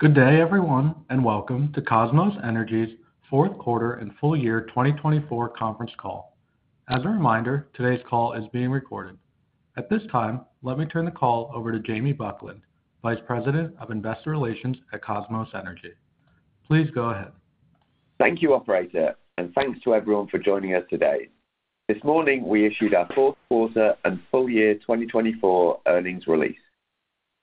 Good day, everyone, and welcome to Kosmos Energy's fourth quarter and full year 2024 conference call. As a reminder, today's call is being recorded. At this time, let me turn the call over to Jamie Buckland, Vice President of Investor Relations at Kosmos Energy. Please go ahead. Thank you, Operator, and thanks to everyone for joining us today. This morning, we issued our fourth quarter and full year 2024 earnings release.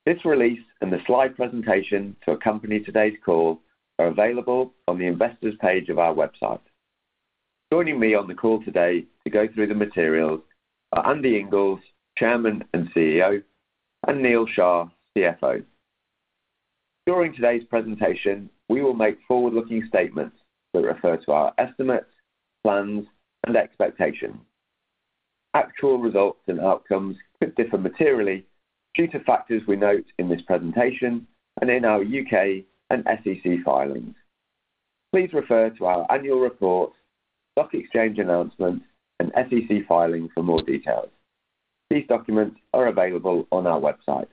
This release and the slide presentation to accompany today's call are available on the Investors page of our website. Joining me on the call today to go through the materials are Andy Inglis, Chairman and CEO, and Neal Shah, CFO. During today's presentation, we will make forward-looking statements that refer to our estimates, plans, and expectations. Actual results and outcomes could differ materially due to factors we note in this presentation and in our U.K. and SEC filings. Please refer to our annual reports, stock exchange announcements, and SEC filings for more details. These documents are available on our website.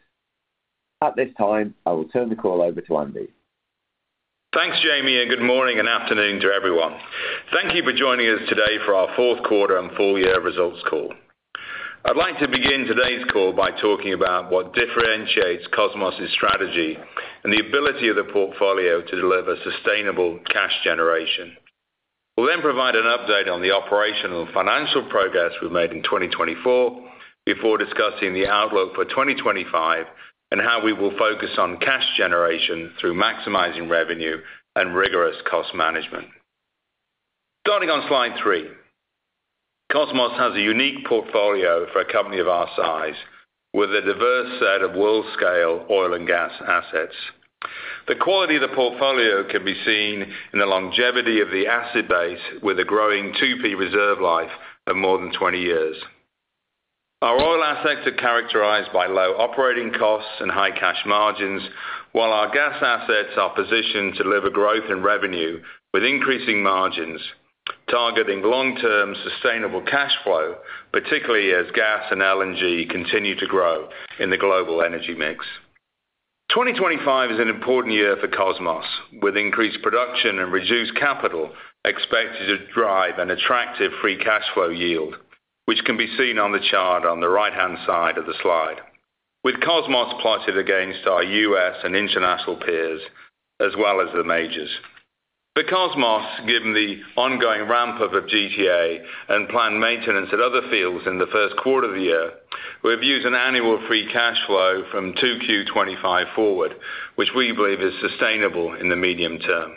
At this time, I will turn the call over to Andy. Thanks, Jamie, and good morning and afternoon to everyone. Thank you for joining us today for our fourth quarter and full year results call. I'd like to begin today's call by talking about what differentiates Kosmos' strategy and the ability of the portfolio to deliver sustainable cash generation. We'll then provide an update on the operational and financial progress we've made in 2024 before discussing the outlook for 2025 and how we will focus on cash generation through maximizing revenue and rigorous cost management. Starting on slide three, Kosmos has a unique portfolio for a company of our size with a diverse set of world-scale oil and gas assets. The quality of the portfolio can be seen in the longevity of the asset base, with a growing 2P reserve life of more than 20 years. Our oil assets are characterized by low operating costs and high cash margins, while our gas assets are positioned to deliver growth in revenue with increasing margins, targeting long-term sustainable cash flow, particularly as gas and LNG continue to grow in the global energy mix. 2025 is an important year for Kosmos, with increased production and reduced capital expected to drive an attractive free cash flow yield, which can be seen on the chart on the right-hand side of the slide, with Kosmos plotted against our U.S. and international peers, as well as the majors. For Kosmos, given the ongoing ramp-up of GTA and planned maintenance at other fields in the first quarter of the year, we've used an annual free cash flow from 2Q 2025 forward, which we believe is sustainable in the medium term.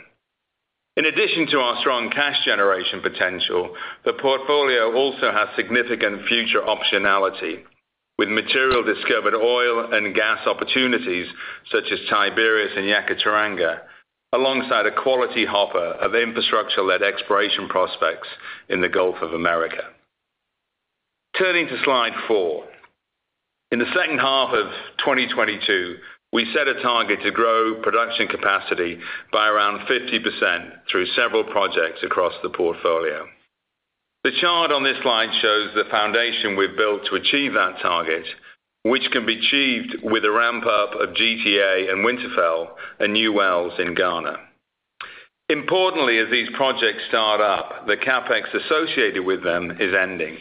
In addition to our strong cash generation potential, the portfolio also has significant future optionality, with material discovered oil and gas opportunities such as Tiberius and Yupanqui, alongside a quality hopper of infrastructure-led exploration prospects in the U.S. Gulf of Mexico. Turning to slide four, in the second half of 2022, we set a target to grow production capacity by around 50% through several projects across the portfolio. The chart on this slide shows the foundation we've built to achieve that target, which can be achieved with a ramp-up of GTA and Winterfell and new wells in Ghana. Importantly, as these projects start up, the CapEx associated with them is ending.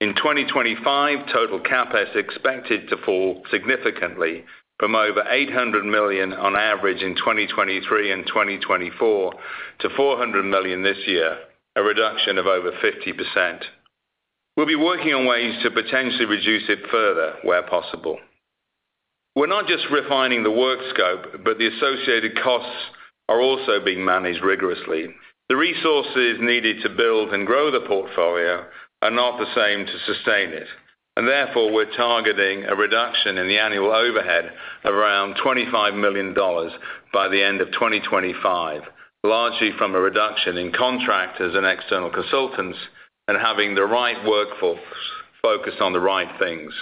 In 2025, total CapEx expected to fall significantly from over $800 million on average in 2023 and 2024 to $400 million this year, a reduction of over 50%. We'll be working on ways to potentially reduce it further where possible. We're not just refining the work scope, but the associated costs are also being managed rigorously. The resources needed to build and grow the portfolio are not the same to sustain it, and therefore we're targeting a reduction in the annual overhead of around $25 million by the end of 2025, largely from a reduction in contractors and external consultants and having the right workforce focused on the right things.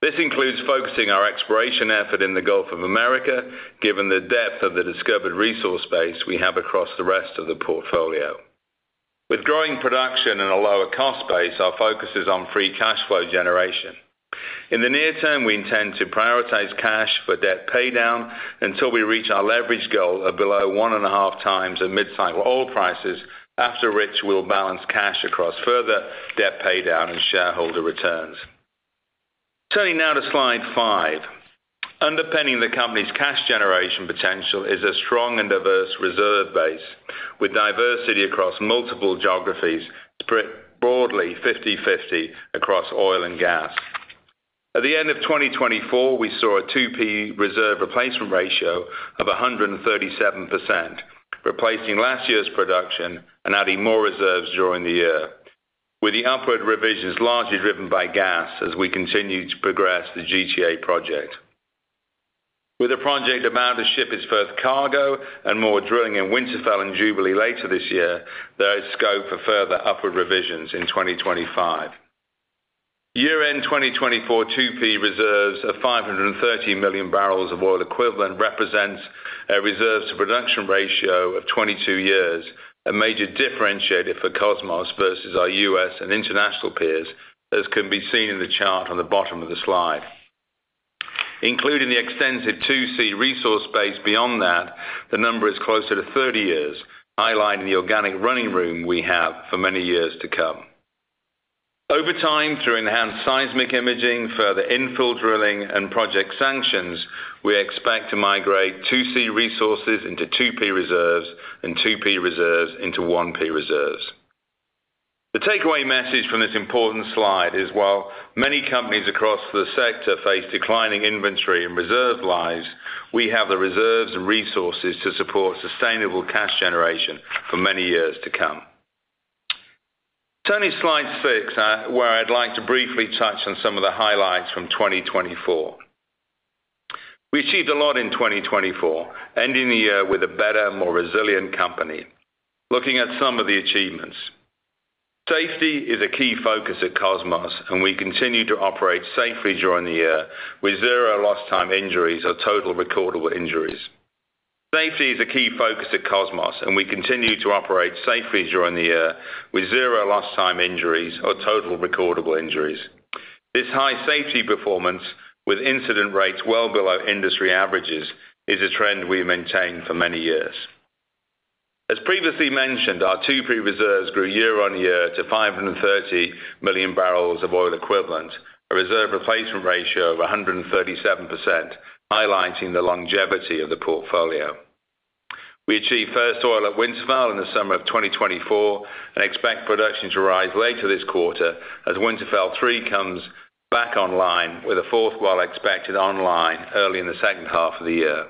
This includes focusing our exploration effort in the U.S. Gulf of Mexico, given the depth of the discovered resource base we have across the rest of the portfolio. With growing production and a lower cost base, our focus is on free cash flow generation. In the near term, we intend to prioritize cash for debt paydown until we reach our leverage goal of below 1.5x of mid-cycle oil prices, after which we'll balance cash across further debt paydown and shareholder returns. Turning now to slide five, underpinning the company's cash generation potential is a strong and diverse reserve base, with diversity across multiple geographies, broadly 50/50 across oil and gas. At the end of 2024, we saw a 2P reserve replacement ratio of 137%, replacing last year's production and adding more reserves during the year, with the upward revisions largely driven by gas as we continue to progress the GTA project. With a project about to ship its first cargo and more drilling in Winterfell and Jubilee later this year, there is scope for further upward revisions in 2025. Year-end 2024 2P reserves of 530 million barrels of oil equivalent represent a reserves-to-production ratio of 22 years, a major differentiator for Kosmos versus our U.S. and international peers, as can be seen in the chart on the bottom of the slide. Including the extensive 2C resource base beyond that, the number is closer to 30 years, highlighting the organic running room we have for many years to come. Over time, through enhanced seismic imaging, further infill drilling, and project sanctions, we expect to migrate 2C resources into 2P reserves and 2P reserves into 1P reserves. The takeaway message from this important slide is, while many companies across the sector face declining inventory and reserve lives, we have the reserves and resources to support sustainable cash generation for many years to come. Turning to slide six, where I'd like to briefly touch on some of the highlights from 2024. We achieved a lot in 2024, ending the year with a better, more resilient company. Looking at some of the achievements, safety is a key focus at Kosmos, and we continue to operate safely during the year with zero lost-time injuries or total recordable injuries. This high safety performance, with incident rates well below industry averages, is a trend we've maintained for many years. As previously mentioned, our 2P reserves grew year-on-year to 530 million bbl of oil equivalent, a reserve replacement ratio of 137%, highlighting the longevity of the portfolio. We achieved first oil at Winterfell in the summer of 2024 and expect production to rise later this quarter as Winterfell 3 comes back online with a Winterfell 4 expected online early in the second half of the year.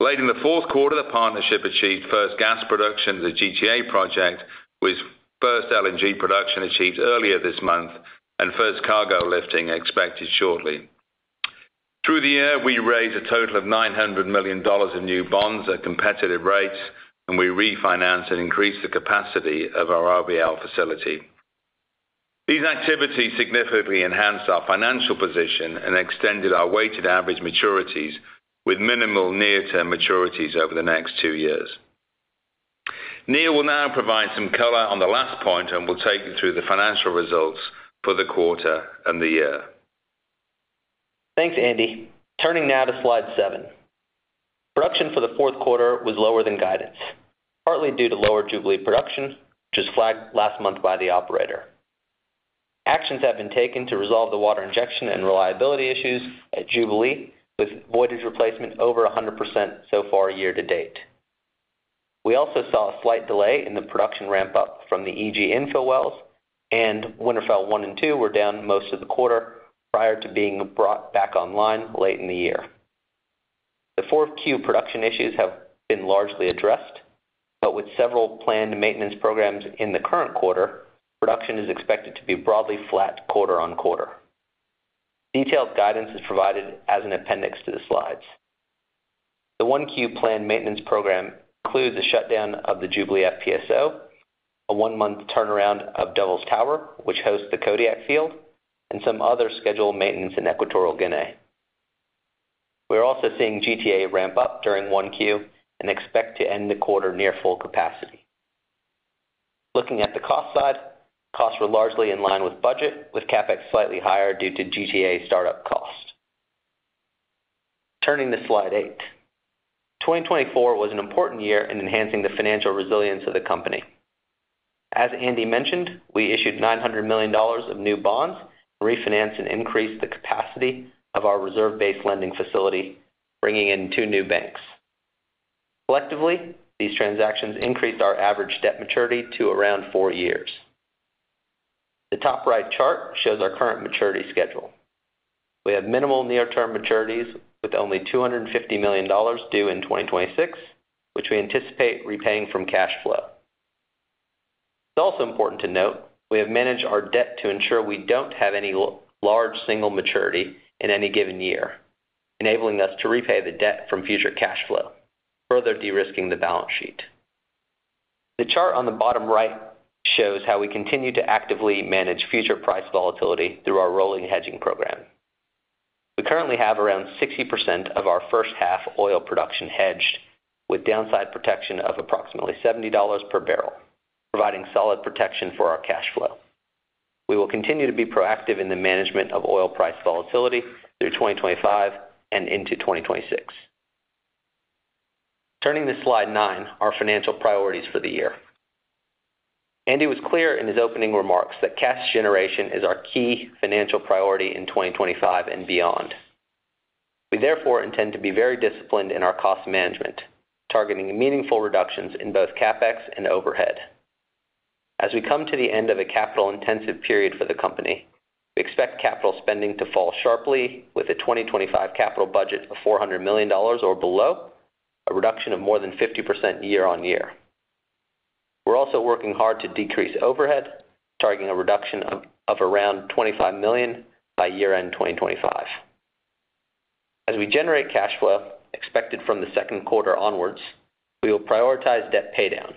Late in the fourth quarter, the partnership achieved first gas production at the GTA project, with first LNG production achieved earlier this month and first cargo lifting expected shortly. Through the year, we raised a total of $900 million in new bonds at competitive rates, and we refinanced and increased the capacity of our RBL facility. These activities significantly enhanced our financial position and extended our weighted average maturities, with minimal near-term maturities over the next two years. Neal will now provide some color on the last point and will take you through the financial results for the quarter and the year. Thanks, Andy. Turning now to slide seven, production for the fourth quarter was lower than guidance, partly due to lower Jubilee production, which was flagged last month by the operator. Actions have been taken to resolve the water injection and reliability issues at Jubilee, with voidage replacement over 100% so far year-to-date. We also saw a slight delay in the production ramp-up from the EG Infill Wells, and Winterfell 1 and 2 were down most of the quarter prior to being brought back online late in the year. The fourth quarter production issues have been largely addressed, but with several planned maintenance programs in the current quarter, production is expected to be broadly flat quarter on quarter. Detailed guidance is provided as an appendix to the slides. The 1Q planned maintenance program includes a shutdown of the Jubilee FPSO, a one-month turnaround of Devils Tower, which hosts the Kodiak field, and some other scheduled maintenance in Equatorial Guinea. We're also seeing GTA ramp up during 1Q and expect to end the quarter near full capacity. Looking at the cost side, costs were largely in line with budget, with CapEx slightly higher due to GTA startup cost. Turning to slide eight, 2024 was an important year in enhancing the financial resilience of the company. As Andy mentioned, we issued $900 million of new bonds, refinanced, and increased the capacity of our reserve-based lending facility, bringing in two new banks. Collectively, these transactions increased our average debt maturity to around four years. The top right chart shows our current maturity schedule. We have minimal near-term maturities with only $250 million due in 2026, which we anticipate repaying from cash flow. It's also important to note we have managed our debt to ensure we don't have any large single maturity in any given year, enabling us to repay the debt from future cash flow, further de-risking the balance sheet. The chart on the bottom right shows how we continue to actively manage future price volatility through our rolling hedging program. We currently have around 60% of our first half oil production hedged, with downside protection of approximately $70 per bbl, providing solid protection for our cash flow. We will continue to be proactive in the management of oil price volatility through 2025 and into 2026. Turning to slide nine, our financial priorities for the year. Andy was clear in his opening remarks that cash generation is our key financial priority in 2025 and beyond. We therefore intend to be very disciplined in our cost management, targeting meaningful reductions in both CapEx and overhead. As we come to the end of a capital-intensive period for the company, we expect capital spending to fall sharply,.with a 2025 capital budget of $400 million or below, a reduction of more than 50% year-on-year. We're also working hard to decrease overhead, targeting a reduction of around $25 million by year-end 2025. As we generate cash flow expected from the second quarter onwards, we will prioritize debt paydown,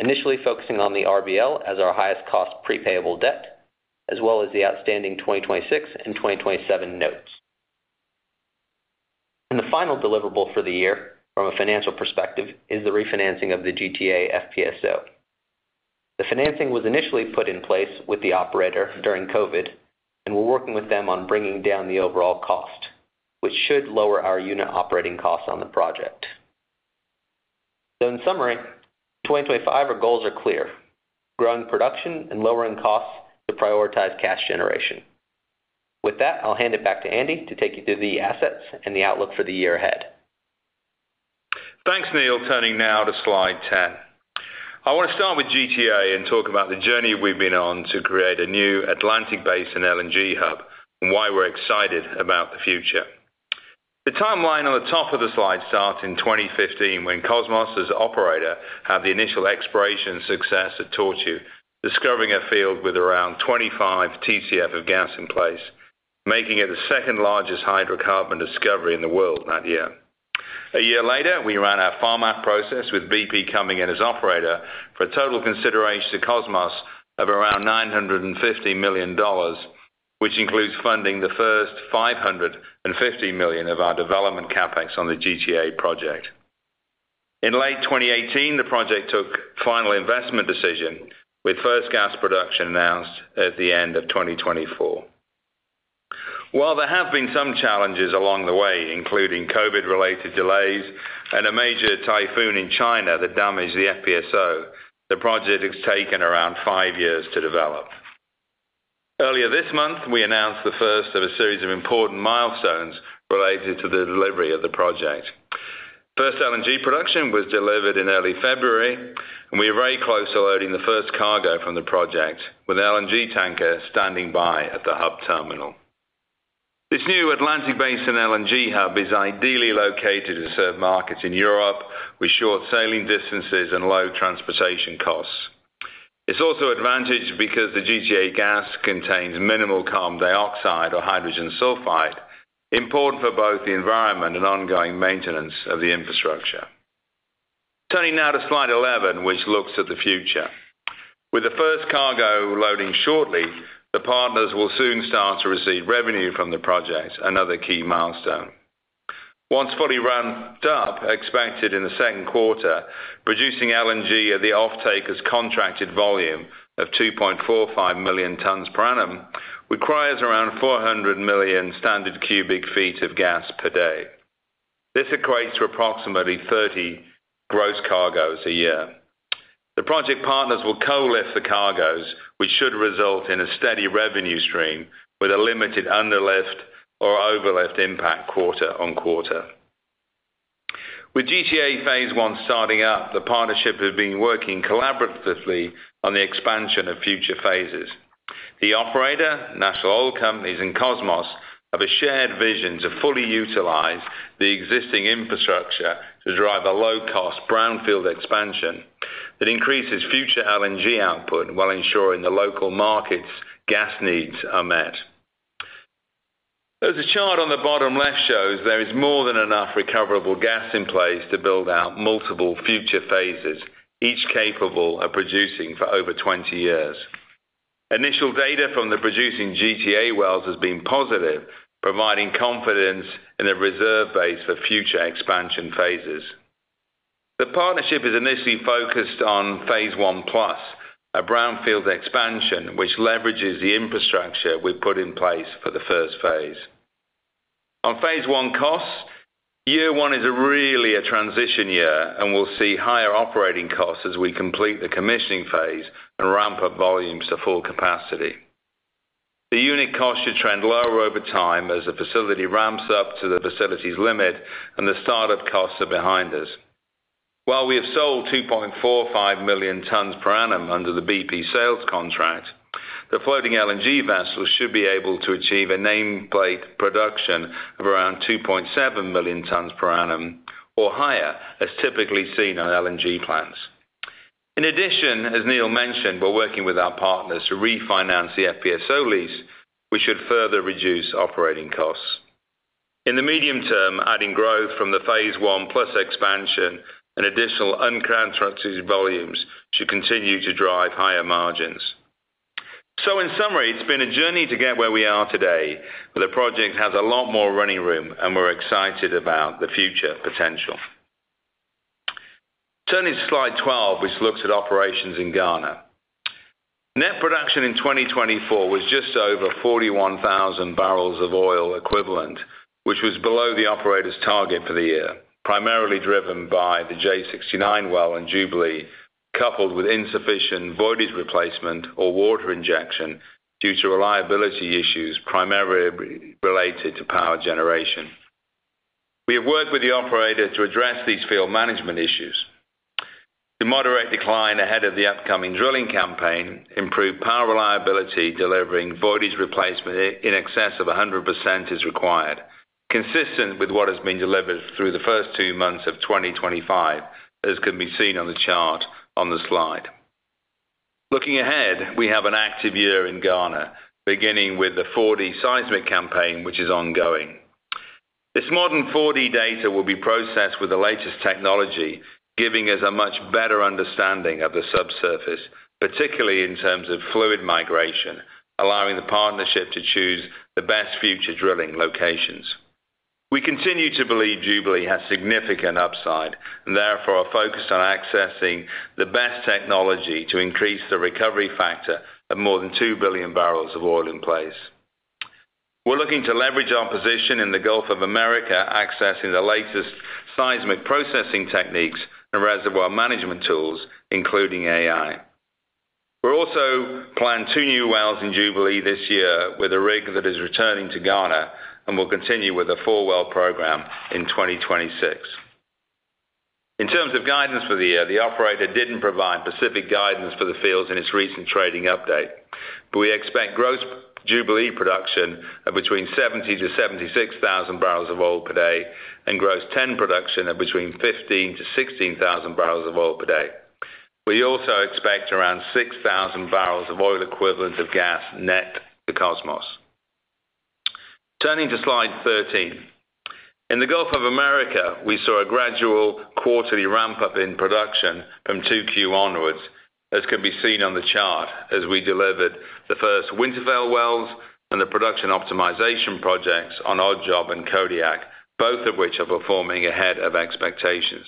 initially focusing on the RBL as our highest cost prepayable debt, as well as the outstanding 2026 and 2027 notes, and the final deliverable for the year from a financial perspective is the refinancing of the GTA FPSO. The financing was initially put in place with the operator during COVID, and we're working with them on bringing down the overall cost, which should lower our unit operating costs on the project. So in summary, 2025, our goals are clear: growing production and lowering costs to prioritize cash generation. With that, I'll hand it back to Andy to take you through the assets and the outlook for the year ahead. Thanks, Neal. Turning now to slide 10, I want to start with GTA and talk about the journey we've been on to create a new Atlantic-based LNG hub and why we're excited about the future. The timeline on the top of the slide starts in 2015 when Kosmos as operator had the initial exploration success at Tortue, discovering a field with around 25 TCF of gas in place, making it the second largest hydrocarbon discovery in the world that year. A year later, we ran our farm-out process with BP coming in as operator for a total consideration to Kosmos of around $950 million, which includes funding the first $550 million of our development CapEx on the GTA project. In late 2018, the project took final investment decision, with first gas production announced at the end of 2024. While there have been some challenges along the way, including COVID-related delays and a major typhoon in China that damaged the FPSO, the project has taken around five years to develop. Earlier this month, we announced the first of a series of important milestones related to the delivery of the project. First LNG production was delivered in early February, and we are very close to loading the first cargo from the project, with the LNG tanker standing by at the hub terminal. This new Atlantic-based LNG hub is ideally located to serve markets in Europe with short sailing distances and low transportation costs. It's also advantageous because the GTA gas contains minimal carbon dioxide or hydrogen sulfide, important for both the environment and ongoing maintenance of the infrastructure. Turning now to slide 11, which looks at the future. With the first cargo loading shortly, the partners will soon start to receive revenue from the project, another key milestone. Once fully ramped up, expected in the second quarter, producing LNG at the off-taker's contracted volume of 2.45 million tons per annum requires around 400 million standard cubic feet of gas per day. This equates to approximately 30 gross cargoes a year. The project partners will co-lift the cargoes, which should result in a steady revenue stream with a limited underlift or overlift impact quarter on quarter. With GTA phase I starting up, the partnership has been working collaboratively on the expansion of future phases. The operator, national oil companies, and Kosmos have a shared vision to fully utilize the existing infrastructure to drive a low-cost brownfield expansion that increases future LNG output while ensuring the local markets' gas needs are met. As the chart on the bottom left shows, there is more than enough recoverable gas in place to build out multiple future phases, each capable of producing for over 20 years. Initial data from the producing GTA wells has been positive, providing confidence in a reserve base for future expansion phases. The partnership is initially focused on phase I plus, a brownfield expansion which leverages the infrastructure we put in place for the first phase. On phase I costs, year one is really a transition year and will see higher operating costs as we complete the commissioning phase and ramp up volumes to full capacity. The unit costs should trend lower over time as the facility ramps up to the facility's limit and the startup costs are behind us. While we have sold 2.45 million tons per annum under the BP sales contract, the floating LNG vessels should be able to achieve a nameplate production of around 2.7 million tons per annum or higher, as typically seen on LNG plants. In addition, as Neal mentioned, we're working with our partners to refinance the FPSO lease, which should further reduce operating costs. In the medium term, adding growth from the phase I plus expansion and additional uncontracted volumes should continue to drive higher margins. So in summary, it's been a journey to get where we are today, but the project has a lot more running room and we're excited about the future potential. Turning to slide 12, which looks at operations in Ghana. Net production in 2024 was just over 41,000 barrels of oil equivalent, which was below the operator's target for the year, primarily driven by the J69 well in Jubilee, coupled with insufficient voidage replacement or water injection due to reliability issues primarily related to power generation. We have worked with the operator to address these field management issues. The moderate decline ahead of the upcoming drilling campaign. Improved power reliability, delivering voidage replacement in excess of 100% is required, consistent with what has been delivered through the first two months of 2025, as can be seen on the chart on the slide. Looking ahead, we have an active year in Ghana, beginning with the 4D seismic campaign, which is ongoing. This modern 4D data will be processed with the latest technology, giving us a much better understanding of the subsurface, particularly in terms of fluid migration, allowing the partnership to choose the best future drilling locations. We continue to believe Jubilee has significant upside and therefore are focused on accessing the best technology to increase the recovery factor of more than 2 billion bbl of oil in place. We're looking to leverage our position in the U.S. Gulf of Mexico, accessing the latest seismic processing techniques and reservoir management tools, including AI. We're also planning two new wells in Jubilee this year with a rig that is returning to Ghana and will continue with a four-well program in 2026. In terms of guidance for the year, the operator didn't provide specific guidance for the fields in its recent trading update, but we expect gross Jubilee production of between 70,000 bbl-76,000 bbl of oil per day and gross TEN production of between 15,000 bbl-16,000 bbl of oil per day. We also expect around 6,000 bbl of oil equivalent of gas net to Kosmos. Turning to slide 13, in the U.S. Gulf of Mexico, we saw a gradual quarterly ramp-up in production from 2Q onwards, as can be seen on the chart as we delivered the first Winterfell wells and the production optimization projects on Odd Job and Kodiak, both of which are performing ahead of expectations.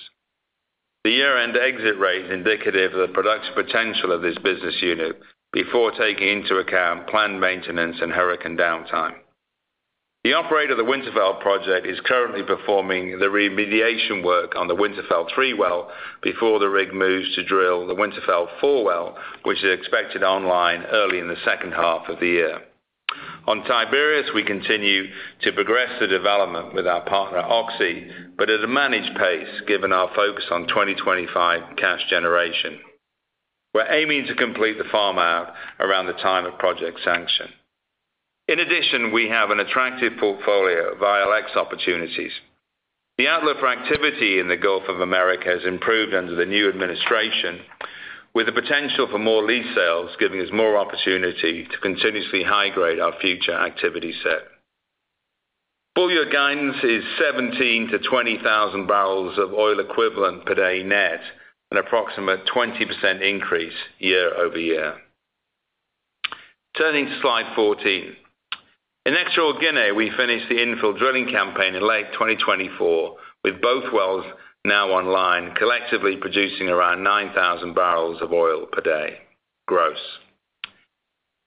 The year-end exit rate is indicative of the production potential of this business unit before taking into account planned maintenance and hurricane downtime. The operator of the Winterfell project is currently performing the remediation work on the Winterfell 3 well before the rig moves to drill the Winterfell 4 well, which is expected online early in the second half of the year. On Tiberius, we continue to progress the development with our partner Oxy, but at a managed pace given our focus on 2025 cash generation. We're aiming to complete the farm-out around the time of project sanction. In addition, we have an attractive portfolio of ILX opportunities. The outlook for activity in the U.S. Gulf of Mexico has improved under the new administration, with the potential for more lease sales giving us more opportunity to continuously high-grade our future activity set. Full year guidance is 17-20,000 barrels of oil equivalent per day net and an approximate 20% increase year-over-year. Turning to slide 14, in Equatorial Guinea, we finished the infill drilling campaign in late 2024 with both wells now online, collectively producing around 9,000 bbl of oil per day gross.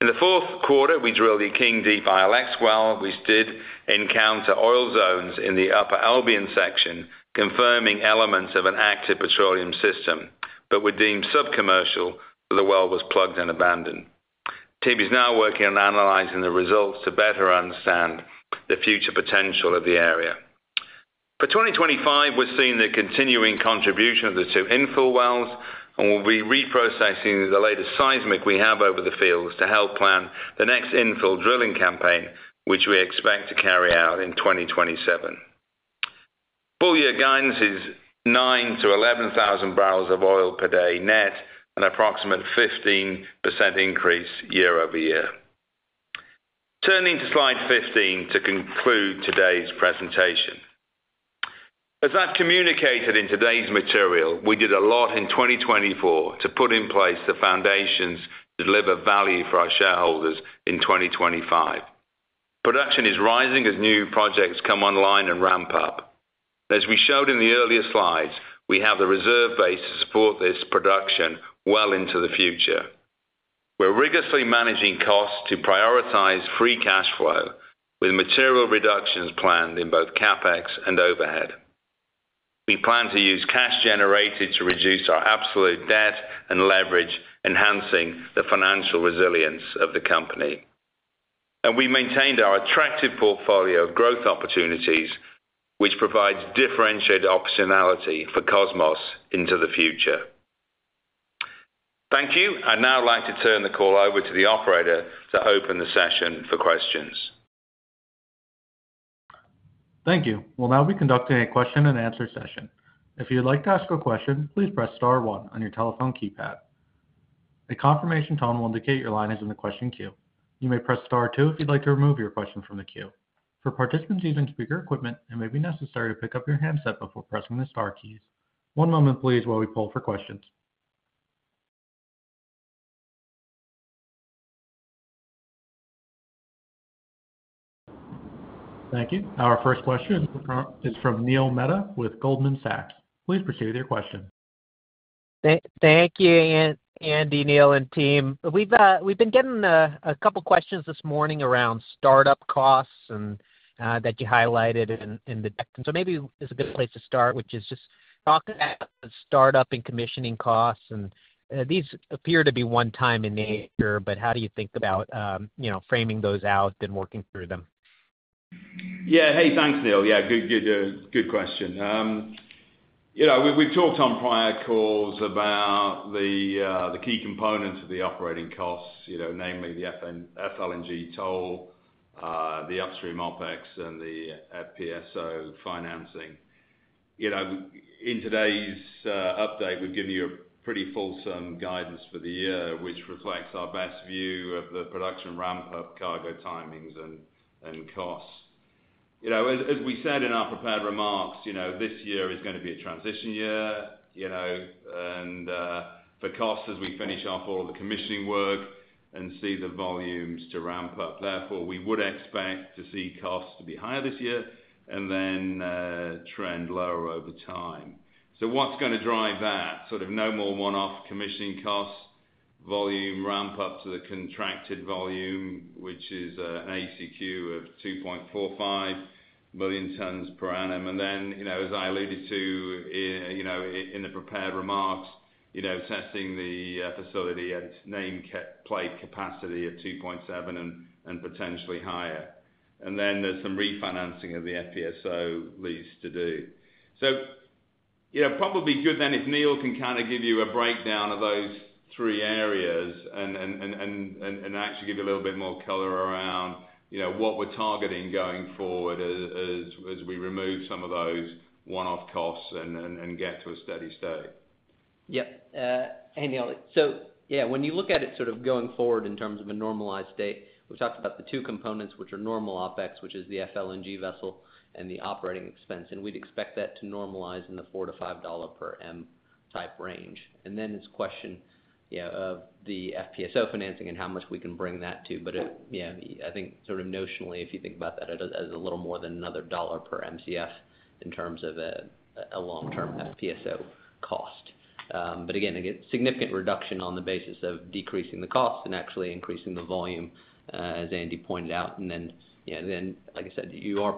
In the fourth quarter, we drilled the Akeng Deep ILX well, which did encounter oil zones in the upper Albian section, confirming elements of an active petroleum system, but were deemed sub-commercial, so the well was plugged and abandoned. Team is now working on analyzing the results to better understand the future potential of the area. For 2025, we're seeing the continuing contribution of the two infill wells and will be reprocessing the latest seismic we have over the fields to help plan the next infill drilling campaign, which we expect to carry out in 2027. Full year guidance is 9,000 bbl-11,000 bbl of oil per day net and an approximate 15% increase year-over-year. Turning to slide 15 to conclude today's presentation. As I've communicated in today's material, we did a lot in 2024 to put in place the foundations to deliver value for our shareholders in 2025. Production is rising as new projects come online and ramp up. As we showed in the earlier slides, we have the reserve base to support this production well into the future. We're rigorously managing costs to prioritize free cash flow, with material reductions planned in both CapEx and overhead. We plan to use cash generated to reduce our absolute debt and leverage, enhancing the financial resilience of the company. And we maintained our attractive portfolio of growth opportunities, which provides differentiated optionality for Kosmos into the future. Thank you. I'd now like to turn the call over to the operator to open the session for questions. Thank you. We'll now be conducting a question-and-answer session. If you'd like to ask a question, please press star one on your telephone keypad. A confirmation tone will indicate your line is in the question queue. You may press star two if you'd like to remove your question from the queue. For participants using speaker equipment, it may be necessary to pick up your handset before pressing the star keys. One moment, please, while we pull for questions. Thank you. Our first question is from Neil Mehta with Goldman Sachs. Please proceed with your question. Thank you, Andy, Neal, and team. We've been getting a couple of questions this morning around startup costs that you highlighted in the text, and so maybe it's a good place to start, which is just talk about startup and commissioning costs, and these appear to be one-time in nature, but how do you think about framing those out and working through them? Yeah. Hey, thanks, Neal. Yeah, good question. We've talked on prior calls about the key components of the operating costs, namely the FLNG toll, the upstream OpEx, and the FPSO financing. In today's update, we've given you a pretty fulsome guidance for the year, which reflects our best view of the production ramp-up, cargo timings, and costs. As we said in our prepared remarks, this year is going to be a transition year, and for costs, as we finish off all of the commissioning work and see the volumes to ramp up, therefore, we would expect to see costs to be higher this year and then trend lower over time, so what's going to drive that? Sort of no more one-off commissioning costs, volume ramp-up to the contracted volume, which is an ACQ of 2.45 million tons per annum. And then, as I alluded to in the prepared remarks, testing the facility at its nameplate capacity of 2.7 and potentially higher. There is some refinancing of the FPSO lease to do. It would probably be good if Neal can kind of give you a breakdown of those three areas and actually give you a little bit more color around what we are targeting going forward as we remove some of those one-off costs and get to a steady state. Yep. Andy, so yeah, when you look at it sort of going forward in terms of a normalized state, we've talked about the two components, which are normal OpEx, which is the FLNG vessel, and the operating expense. And we'd expect that to normalize in the $4-$5 per MMBtu range. And then it's a question of the FPSO financing and how much we can bring that to. But I think sort of notionally, if you think about that as a little more than another $1 per MMBtu in terms of a long-term FPSO cost. But again, a significant reduction on the basis of decreasing the costs and actually increasing the volume, as Andy pointed out. And then, like I said, you are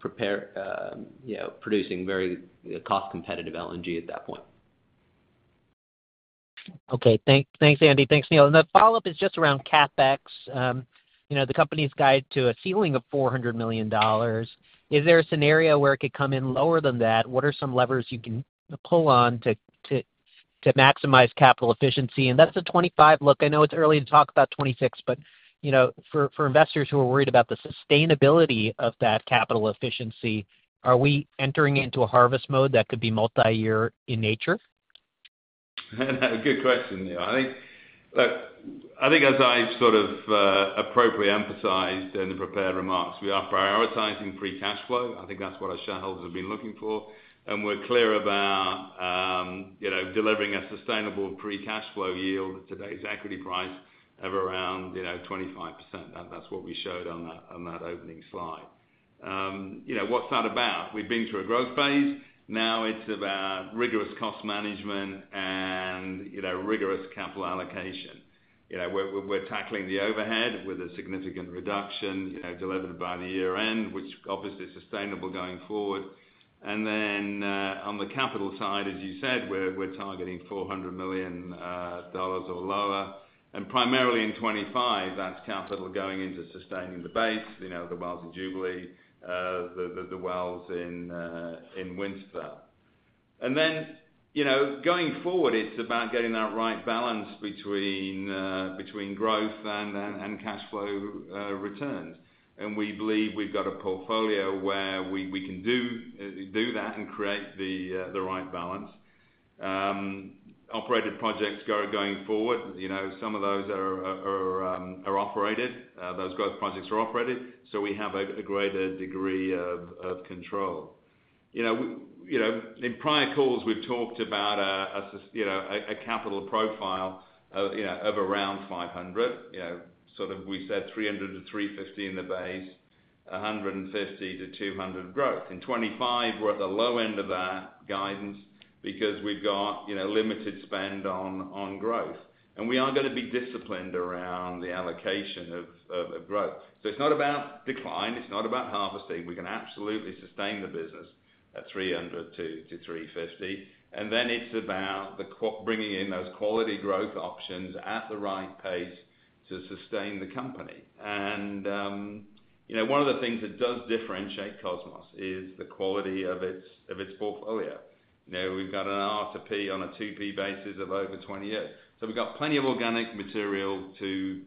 producing very cost-competitive LNG at that point. Okay. Thanks, Andy. Thanks, Neal. And the follow-up is just around CapEx. The company's guide to a ceiling of $400 million. Is there a scenario where it could come in lower than that? What are some levers you can pull on to maximize capital efficiency? And that's a 2025. Look, I know it's early to talk about 2026, but for investors who are worried about the sustainability of that capital efficiency, are we entering into a harvest mode that could be multi-year in nature? Good question, Neal. I think, as I've sort of appropriately emphasized in the prepared remarks, we are prioritizing free cash flow. I think that's what our shareholders have been looking for. And we're clear about delivering a sustainable free cash flow yield at today's equity price of around 25%. That's what we showed on that opening slide. What's that about? We've been through a growth phase. Now it's about rigorous cost management and rigorous capital allocation. We're tackling the overhead with a significant reduction delivered by the year-end, which obviously is sustainable going forward. And then on the capital side, as you said, we're targeting $400 million or lower. And primarily in 2025, that's capital going into sustaining the base, the wells in Jubilee, the wells in Winterfell. And then going forward, it's about getting that right balance between growth and cash flow returns. We believe we've got a portfolio where we can do that and create the right balance. Operated projects going forward, some of those are operated. Those projects are operated, so we have a greater degree of control. In prior calls, we've talked about a capital profile of around $500. Sort of we said $300-$350 in the base, $150-$200 growth. In 2025, we're at the low end of that guidance because we've got limited spend on growth. And we are going to be disciplined around the allocation of growth. So it's not about decline. It's not about harvesting. We can absolutely sustain the business at $300-$350. And then it's about bringing in those quality growth options at the right pace to sustain the company. And one of the things that does differentiate Kosmos is the quality of its portfolio. We've got an R to P on a 2P basis of over 20 years. So we've got plenty of organic material to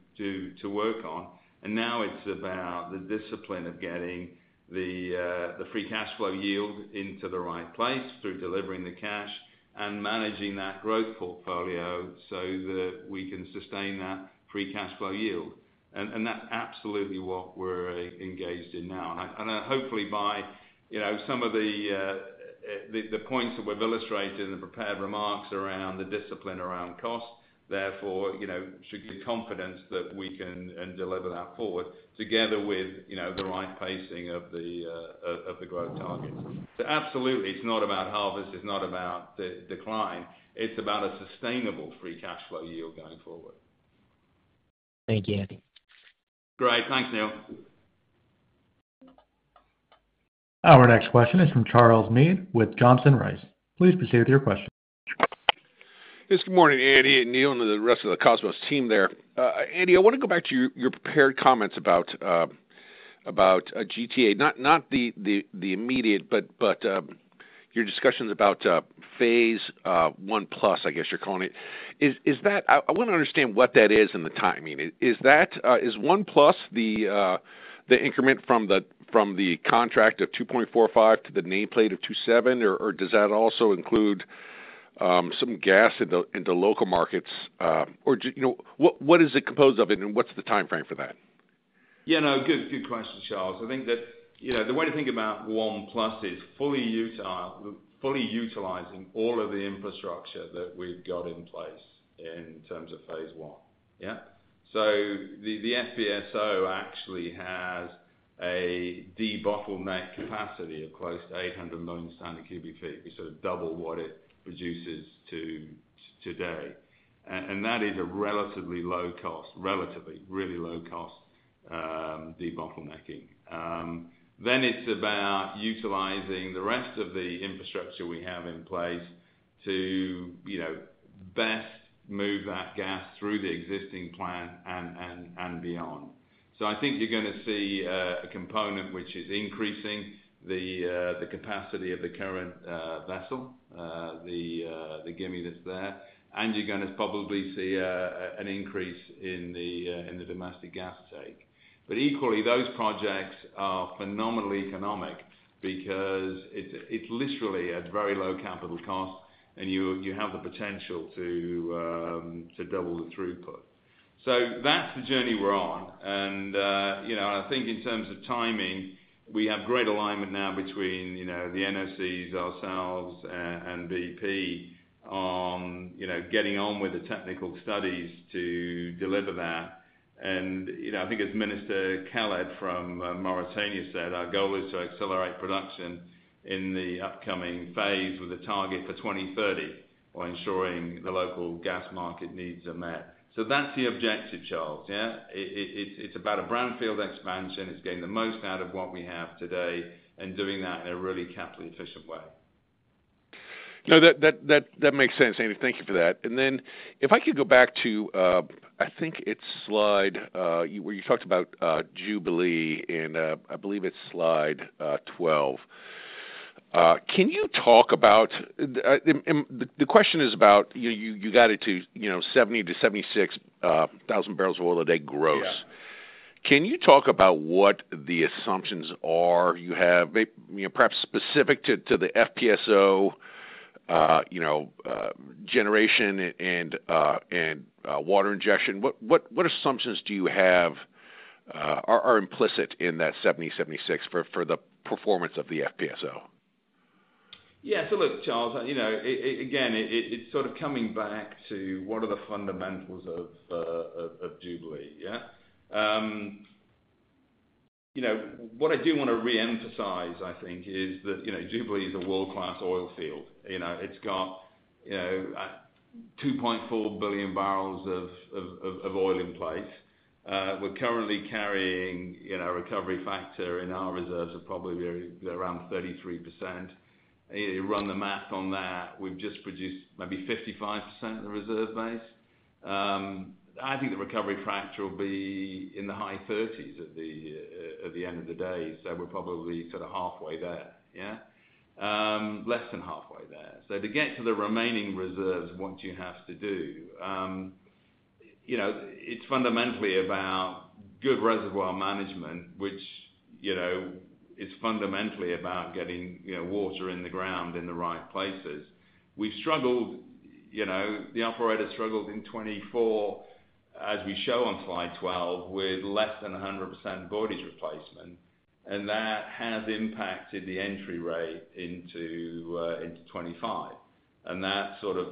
work on. And now it's about the discipline of getting the free cash flow yield into the right place through delivering the cash and managing that growth portfolio so that we can sustain that free cash flow yield. And that's absolutely what we're engaged in now. And hopefully, by some of the points that we've illustrated in the prepared remarks around the discipline around cost, therefore, should give confidence that we can deliver that forward together with the right pacing of the growth targets. So absolutely, it's not about harvest. It's not about decline. It's about a sustainable free cash flow yield going forward. Thank you, Andy. Great. Thanks, Neal. Our next question is from Charles Meade with Johnson Rice. Please proceed with your question. Yes. Good morning, Andy and Neal and the rest of the Kosmos team there. Andy, I want to go back to your prepared comments about GTA, not the immediate, but your discussions about phase I plus, I guess you're calling it. I want to understand what that is and the timing. Is one plus the increment from the contract of 2.45 to the nameplate of 2.7, or does that also include some gas into local markets? Or what is it composed of, and what's the timeframe for that? Yeah. No, good question, Charles. I think that the way to think about one plus is fully utilizing all of the infrastructure that we've got in place in terms of phase I. Yeah. So the FPSO actually has a de-bottleneck capacity of close to 800 million standard cubic feet. We sort of double what it produces today. And that is a relatively low-cost, relatively really low-cost de-bottlenecking. Then it's about utilizing the rest of the infrastructure we have in place to best move that gas through the existing plant and beyond. So I think you're going to see a component which is increasing the capacity of the current vessel, the Gimi that's there. And you're going to probably see an increase in the domestic gas take. But equally, those projects are phenomenally economic because it's literally at very low capital cost, and you have the potential to double the throughput. So that's the journey we're on. And I think in terms of timing, we have great alignment now between the NOCs, ourselves, and BP on getting on with the technical studies to deliver that. And I think as Minister Khaled from Mauritania said, our goal is to accelerate production in the upcoming phase with a target for 2030 or ensuring the local gas market needs are met. So that's the objective, Charles. Yeah. It's about a brownfield expansion. It's getting the most out of what we have today and doing that in a really capital efficient way. No, that makes sense, Andy. Thank you for that. And then if I could go back to, I think it's slide where you talked about Jubilee in, I believe it's slide 12. Can you talk about the question is about you got it to 70,000 bbl-76,000 bbl of oil a day gross. Can you talk about what the assumptions are you have, perhaps specific to the FPSO generation and water injection? What assumptions do you have are implicit in that 70,000 bbl-76,000 bbl for the performance of the FPSO? Yeah. So look, Charles. Again, it's sort of coming back to what are the fundamentals of Jubilee. Yeah. What I do want to re-emphasize, I think, is that Jubilee is a world-class oil field. It's got 2.4 billion bbl of oil in place. We're currently carrying a recovery factor in our reserves of probably around 33%. You run the math on that, we've just produced maybe 55% of the reserve base. I think the recovery factor will be in the high 30s at the end of the day. So we're probably sort of halfway there. Yeah. Less than halfway there. So to get to the remaining reserves, what you have to do, it's fundamentally about good reservoir management, which is fundamentally about getting water in the ground in the right places. We've struggled. The operator struggled in 2024, as we show on slide 12, with less than 100% voidage replacement. And that has impacted the entry rate into 2025. And that's sort of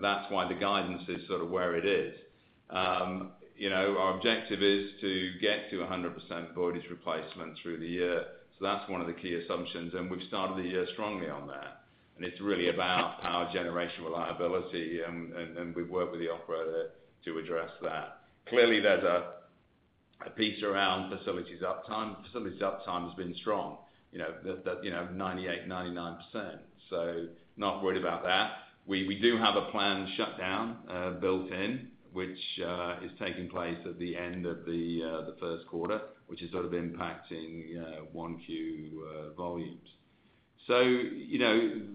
that's why the guidance is sort of where it is. Our objective is to get to 100% voidage replacement through the year. So that's one of the key assumptions. And we've started the year strongly on that. And it's really about power generation reliability. And we've worked with the operator to address that. Clearly, there's a piece around facilities uptime. Facilities uptime has been strong, 98%-99%. So not worried about that. We do have a planned shutdown built in, which is taking place at the end of the first quarter, which is sort of impacting Q1 volumes. So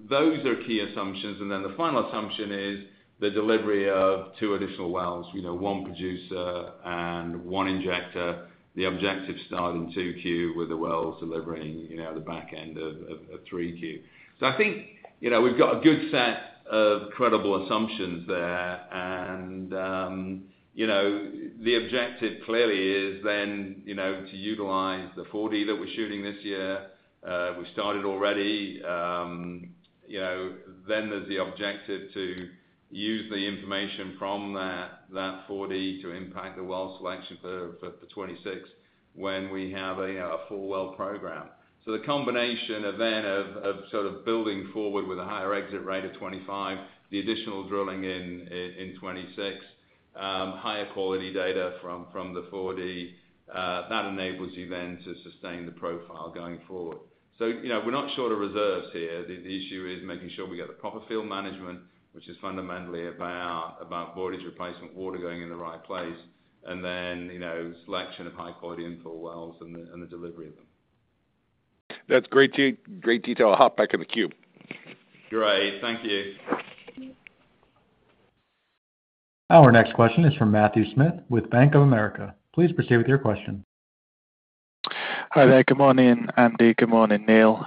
those are key assumptions. And then the final assumption is the delivery of two additional wells, one producer and one injector. The objective starting 2Q with the wells delivering the back end of 3Q. I think we've got a good set of credible assumptions there. The objective clearly is then to utilize the 4D that we're shooting this year. We started already. Then there's the objective to use the information from that 4D to impact the well selection for 2026 when we have a full well program. The combination of then of sort of building forward with a higher exit rate of 2025, the additional drilling in 2026, higher quality data from the 4D, that enables you then to sustain the profile going forward. We're not short of reserves here. The issue is making sure we get the proper field management, which is fundamentally about voidage replacement, water going in the right place, and then selection of high-quality infill wells and the delivery of them. That's great detail. I'll hop back in the queue. Great. Thank you. Our next question is from Matthew Smith with Bank of America. Please proceed with your question. Hi there. Good morning, Andy. Good morning, Neal.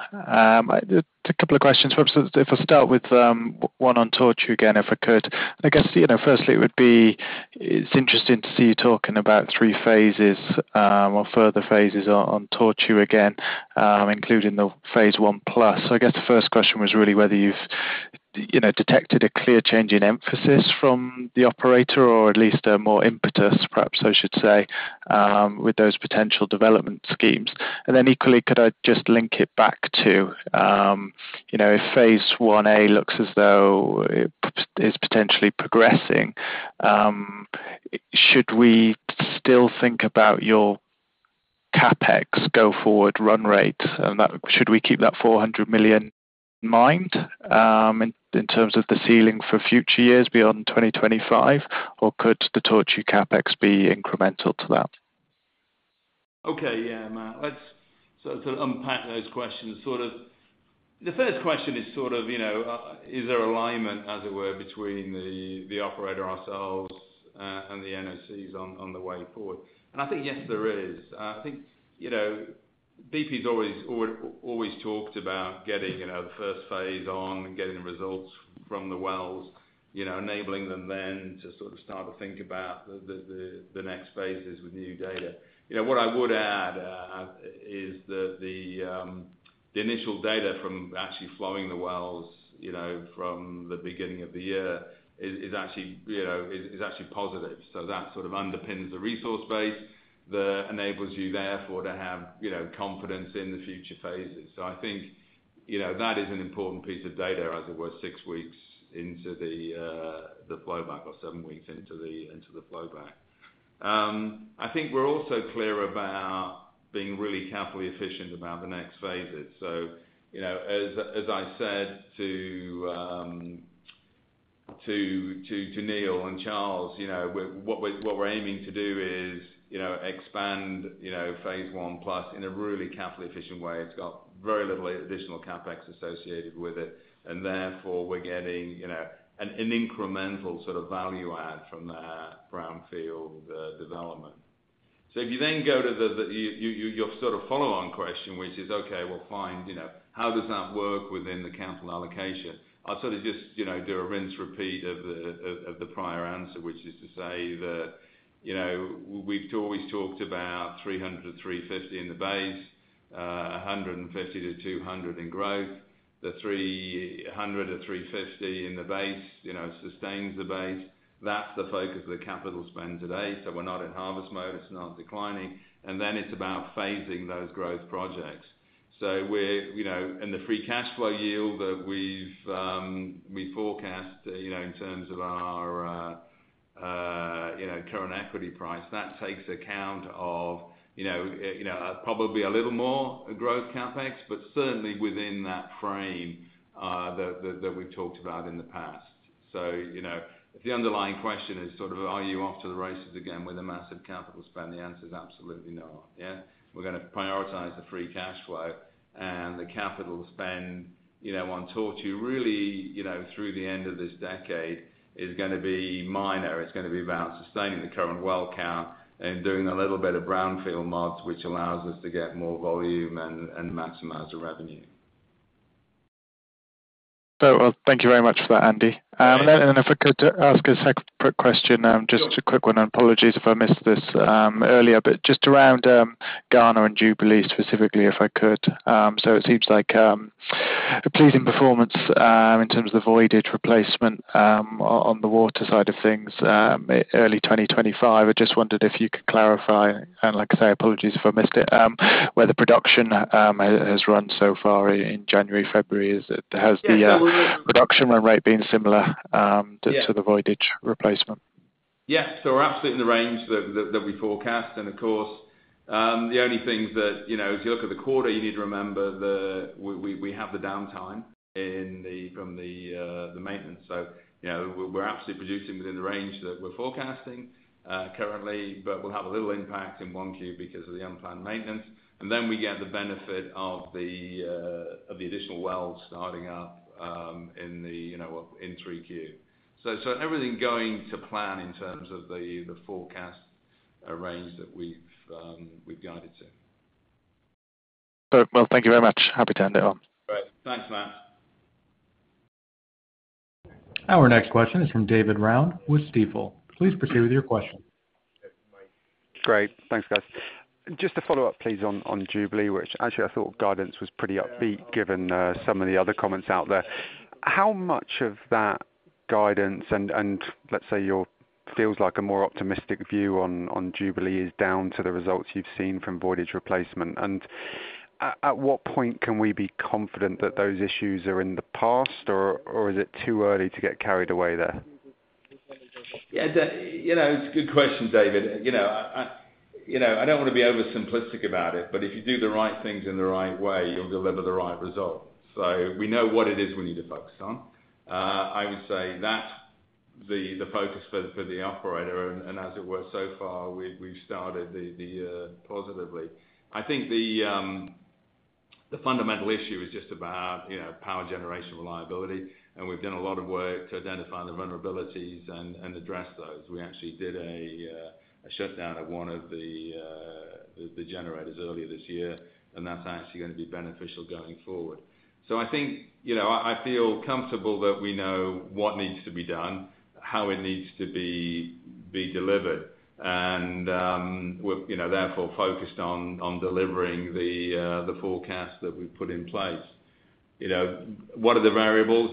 Just a couple of questions. If I start with one on Tortue again, if I could. I guess firstly, it would be interesting to see you talking about three phases or further phases on Tortue again, including the phase I plus. So I guess the first question was really whether you've detected a clear change in emphasis from the operator or at least a more impetus, perhaps I should say, with those potential development schemes. And then equally, could I just link it back to if phase Ia looks as though it's potentially progressing, should we still think about your CapEx go forward run rate? And should we keep that $400 million in mind in terms of the ceiling for future years beyond 2025, or could the Tortue CapEx be incremental to that? Okay. Yeah. So to unpack those questions, sort of the first question is sort of, is there alignment, as it were, between the operator, ourselves, and the NOCs on the way forward? And I think yes, there is. I think BP has always talked about getting the first phase on and getting results from the wells, enabling them then to sort of start to think about the next phases with new data. What I would add is that the initial data from actually flowing the wells from the beginning of the year is actually positive. So that sort of underpins the resource base that enables you therefore to have confidence in the future phases. So I think that is an important piece of data, as it were, six weeks into the flowback or seven weeks into the flowback. I think we're also clear about being really carefully efficient about the next phases, so as I said to Neal and Charles, what we're aiming to do is expand phase I plus in a really carefully efficient way. It's got very little additional CapEx associated with it, and therefore, we're getting an incremental sort of value add from that brownfield development, so if you then go to your sort of follow-on question, which is, okay, well, fine, how does that work within the capital allocation? I'll sort of just do a rinse repeat of the prior answer, which is to say that we've always talked about $300-$350 in the base, $150-$200 in growth. The $300-$350 in the base sustains the base. That's the focus of the capital spend today, so we're not in harvest mode. It's not declining. And then it's about phasing those growth projects. So in the free cash flow yield that we've forecast in terms of our current equity price, that takes account of probably a little more growth CapEx, but certainly within that frame that we've talked about in the past. So if the underlying question is sort of, are you off to the races again with a massive capital spend, the answer is absolutely not. Yeah. We're going to prioritize the free cash flow. And the capital spend on Tortue really through the end of this decade is going to be minor. It's going to be about sustaining the current well count and doing a little bit of brownfield mods, which allows us to get more volume and maximize the revenue. All right. Well, thank you very much for that, Andy. And then if I could ask a quick question, just a quick one. Apologies if I missed this earlier, but just around Ghana and Jubilee specifically, if I could. So it seems like a pleasing performance in terms of the voidage replacement on the water side of things early 2025. I just wondered if you could clarify, and like I say, apologies if I missed it, where the production has run so far in January, February. Has the production run rate been similar to the voidage replacement? Yeah. So we're absolutely in the range that we forecast. And of course, the only thing that if you look at the quarter, you need to remember we have the downtime from the maintenance. So we're absolutely producing within the range that we're forecasting currently, but we'll have a little impact in 1Q because of the unplanned maintenance. And then we get the benefit of the additional wells starting up in 3Q. So everything going to plan in terms of the forecast range that we've guided to. Thank you very much. Happy to end it on. Great. Thanks, Matt. Our next question is from David Round with Stifel. Please proceed with your question. Great. Thanks, guys. Just to follow up, please, on Jubilee, which actually I thought guidance was pretty upbeat given some of the other comments out there. How much of that guidance and let's say your feels like a more optimistic view on Jubilee is down to the results you've seen from voidage replacement? And at what point can we be confident that those issues are in the past, or is it too early to get carried away there? Yeah. It's a good question, David. I don't want to be over simplistic about it, but if you do the right things in the right way, you'll deliver the right results. So we know what it is we need to focus on. I would say that's the focus for the operator. And as it were, so far, we've started the year positively. I think the fundamental issue is just about power generation reliability. And we've done a lot of work to identify the vulnerabilities and address those. We actually did a shutdown of one of the generators earlier this year, and that's actually going to be beneficial going forward. So I think I feel comfortable that we know what needs to be done, how it needs to be delivered, and we're therefore focused on delivering the forecast that we've put in place. What are the variables?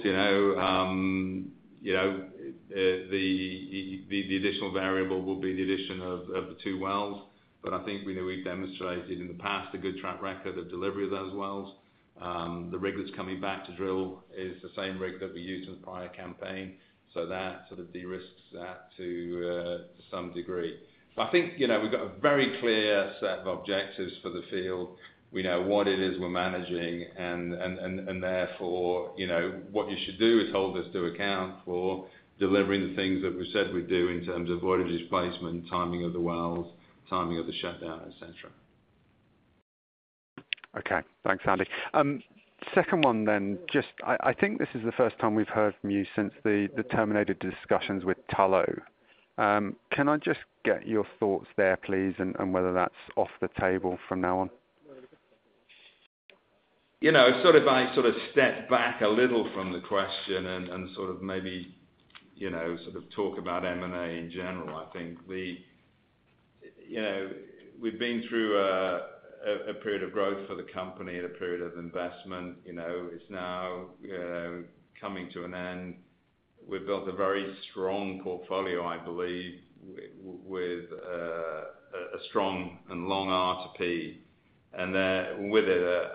The additional variable will be the addition of the two wells. But I think we've demonstrated in the past a good track record of delivery of those wells. The rig that's coming back to drill is the same rig that we used in the prior campaign. So that sort of de-risks that to some degree. But I think we've got a very clear set of objectives for the field. We know what it is we're managing. And therefore, what you should do is hold us to account for delivering the things that we've said we do in terms of voidage replacement, timing of the wells, timing of the shutdown, etc. Okay. Thanks, Andy. Second one then, just I think this is the first time we've heard from you since the terminated discussions with Tullow. Can I just get your thoughts there, please, and whether that's off the table from now on? I sort of step back a little from the question and maybe sort of talk about M&A in general. I think we've been through a period of growth for the company and a period of investment. It's now coming to an end. We've built a very strong portfolio, I believe, with a strong and long R/P, and with it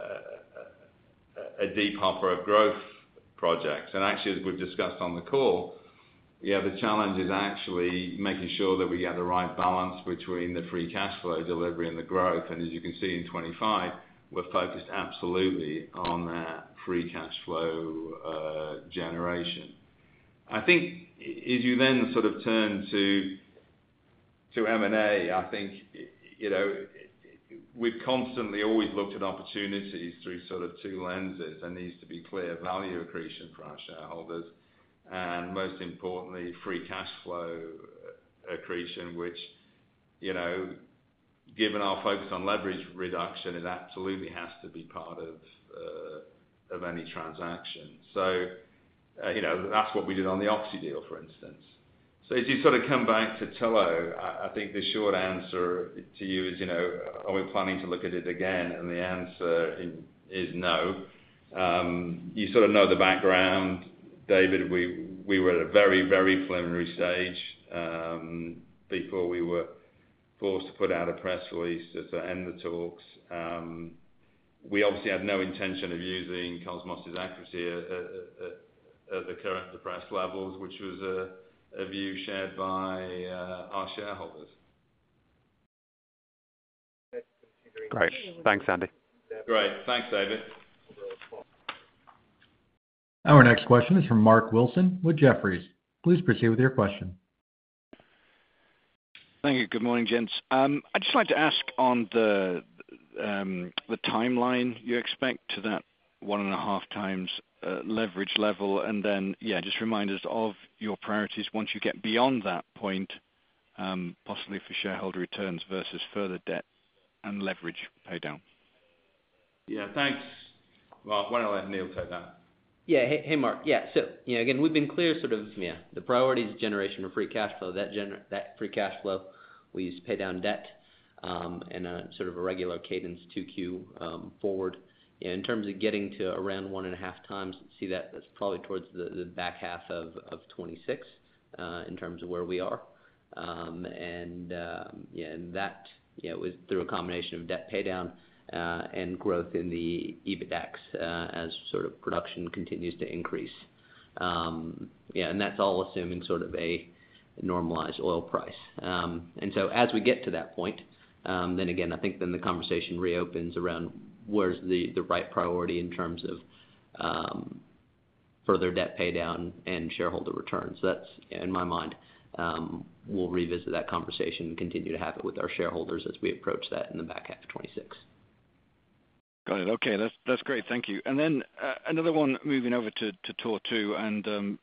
a deep hopper of growth projects. Actually, as we've discussed on the call, the challenge is actually making sure that we have the right balance between the free cash flow delivery and the growth. As you can see in 2025, we're focused absolutely on that free cash flow generation. I think if you then sort of turn to M&A, I think we've constantly looked at opportunities through sort of two lenses. There needs to be clear value accretion for our shareholders. And most importantly, free cash flow accretion, which given our focus on leverage reduction, it absolutely has to be part of any transaction. So that's what we did on the Oxy deal, for instance. So if you sort of come back to Tullow, I think the short answer to you is, are we planning to look at it again? And the answer is no. You sort of know the background, David. We were at a very, very preliminary stage before we were forced to put out a press release to end the talks. We obviously had no intention of using Kosmos's equity at the current depressed levels, which was a view shared by our shareholders. Great. Thanks, Andy. Great. Thanks, David. Our next question is from Mark Wilson with Jefferies. Please proceed with your question. Thank you. Good morning, gents. I'd just like to ask on the timeline you expect to that 1.5x leverage level, and then, yeah, just remind us of your priorities once you get beyond that point, possibly for shareholder returns versus further debt and leverage pay down. Yeah. Thanks. Well, why don't I let Neal take that? Yeah. Hey, Mark. Yeah. So again, we've been clear sort of the priority is generation of free cash flow. That free cash flow, we use to pay down debt in sort of a regular cadence, 2Q forward. In terms of getting to around 1.5x, we see that that's probably towards the back half of 2026 in terms of where we are. And that was through a combination of debt pay down and growth in the EBITDAX as sort of production continues to increase. Yeah. And that's all assuming sort of a normalized oil price. And so as we get to that point, then again, I think then the conversation reopens around where's the right priority in terms of further debt pay down and shareholder returns. That's, in my mind, we'll revisit that conversation and continue to have it with our shareholders as we approach that in the back half of 2026. Got it. Okay. That's great. Thank you. And then another one moving over to Tortue, and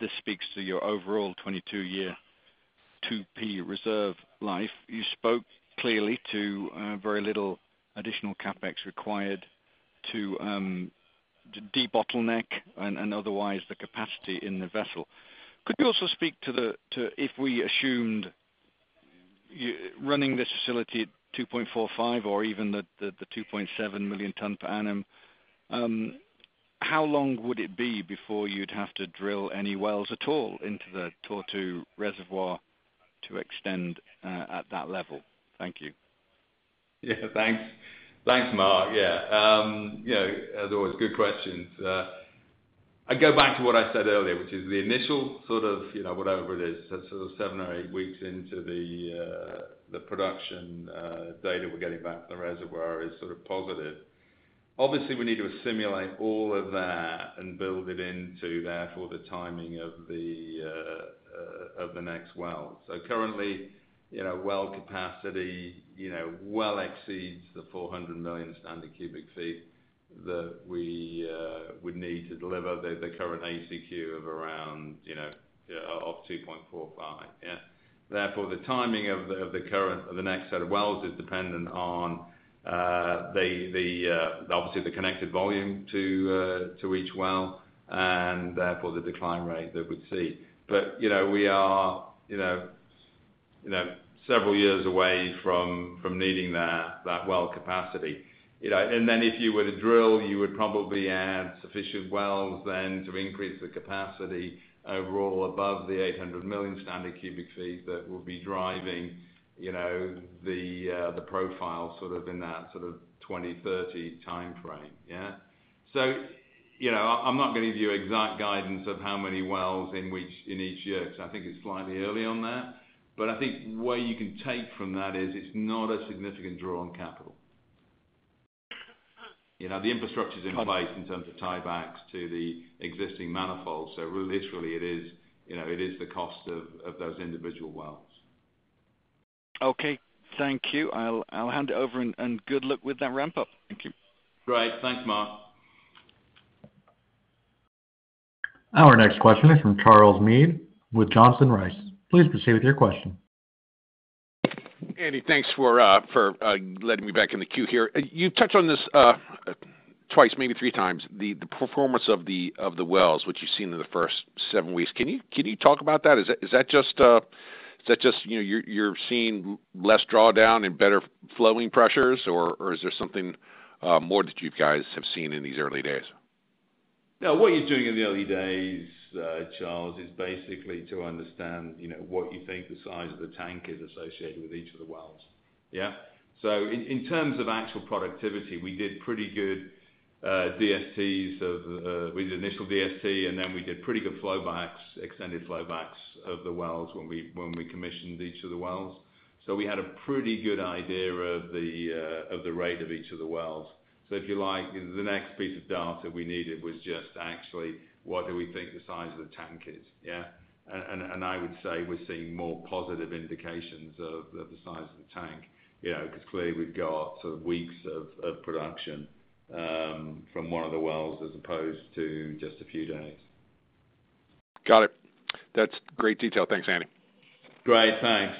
this speaks to your overall 22-year 2P reserve life. You spoke clearly to very little additional CapEx required to de-bottleneck and otherwise the capacity in the vessel. Could you also speak to if we assumed running this facility at 2.45 or even the 2.7 million tonnes per annum, how long would it be before you'd have to drill any wells at all into the Tortue reservoir to extend at that level? Thank you. Yeah. Thanks. Thanks, Mark. Yeah. As always, good questions. I go back to what I said earlier, which is the initial sort of whatever it is, so seven or eight weeks into the production data we're getting back from the reservoir is sort of positive. Obviously, we need to assimilate all of that and build it into therefore the timing of the next well. So currently, well capacity well exceeds the 400 million standard cubic feet that we would need to deliver the current ACQ of around of 2.45. Yeah. Therefore, the timing of the current of the next set of wells is dependent on the, obviously, the connected volume to each well and therefore the decline rate that we'd see. But we are several years away from needing that well capacity. And then if you were to drill, you would probably add sufficient wells then to increase the capacity overall above the 800 million standard cubic feet that will be driving the profile sort of in that sort of 2030 timeframe. Yeah. So I'm not going to give you exact guidance of how many wells in each year, because I think it's slightly early on that. But I think where you can take from that is it's not a significant draw on capital. The infrastructure is in place in terms of tiebacks to the existing manifold. So literally, it is the cost of those individual wells. Okay. Thank you. I'll hand it over and good luck with that ramp-up. Thank you. Great. Thanks, Mark. Our next question is from Charles Meade with Johnson Rice. Please proceed with your question. Andy, thanks for letting me back in the queue here. You touched on this twice, maybe three times, the performance of the wells, which you've seen in the first seven weeks. Can you talk about that? Is that just you're seeing less drawdown and better flowing pressures, or is there something more that you guys have seen in these early days? No, what you're doing in the early days, Charles, is basically to understand what you think the size of the tank is associated with each of the wells. Yeah. So in terms of actual productivity, we did pretty good DSTs. We did initial DST, and then we did pretty good flowbacks, extended flowbacks of the wells when we commissioned each of the wells. So we had a pretty good idea of the rate of each of the wells. So if you like, the next piece of data we needed was just actually what do we think the size of the tank is. Yeah. And I would say we're seeing more positive indications of the size of the tank, because clearly we've got sort of weeks of production from one of the wells as opposed to just a few days. Got it. That's great detail. Thanks, Andy. Great. Thanks.